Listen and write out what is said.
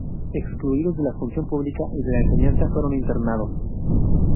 Excluidos de la función pública y de la enseñanza, fueron internados.